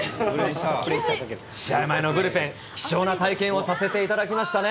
試合前のブルペン、貴重な体験をさせていただきましたね。